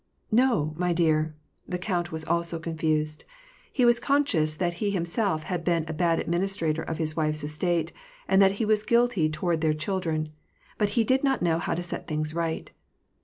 "No, my dear." The count was also confused. He was conscious that he liimself had been a bad administrator of his wife's estate, and that he was guilty toward their children ; but he did not know how to set things right.